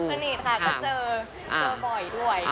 สนิทค่ะก็เจอเจอบ่อยด้วย